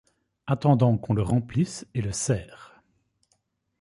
attendant qu'on le remplisse et le serre.